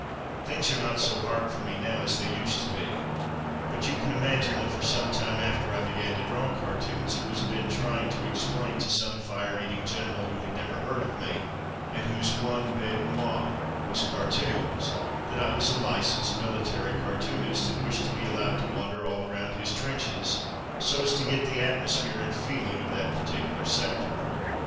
Things are not so hard for me now as they used to be. But you can imagine that for some time after I began to draw cartoons, it was a bit trying to explain to some fire eating general who had never heard of me, and whose one bete noir was cartoons, that I was a licensed military cartoonist, and wished to be allowed to wander all around his trenches so as to get the "atmosphere'' and feeling of that particular sector.